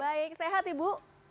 baik sehat ibu